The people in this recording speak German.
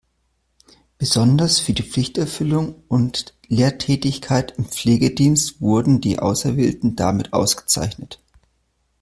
Besonders für die Pflichterfüllung und Lehrtätigkeit im Pflegedienst wurden die Auserwählten damit ausgezeichnet.